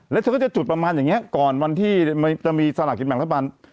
แล้วเธอก็จะจุดประมาณอย่างนี้ก่อนวันที่มันจะมีสลากกินแบ่งรัฐบาล